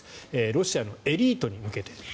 ロシアのエリートに向けて。